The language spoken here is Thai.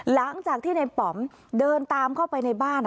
หลังจากที่ในป๋อมเดินตามเข้าไปในบ้าน